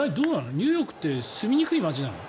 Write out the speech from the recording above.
ニューヨークって住みにくい街なの？